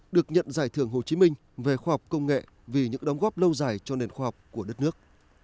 được nhận giải thưởng hồ chí minh về khoa học công nghệ vì những đóng góp lâu dài cho nền khoa học của đất nước